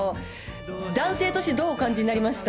男性としてどうお感じになりました？